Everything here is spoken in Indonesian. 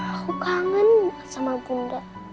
aku kangen sama bunda